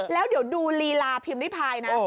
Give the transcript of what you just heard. แล้วเดี๋ยวดูลีลาพิมพ์ริพายนะ